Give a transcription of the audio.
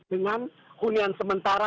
dengan hunian sementara